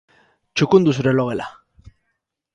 Txukundu zure logela.